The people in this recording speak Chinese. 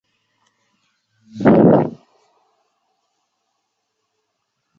加拿大最大的火山位于这个地区。